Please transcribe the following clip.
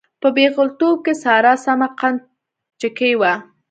په پېغلتوب کې ساره سمه قند چکۍ وه.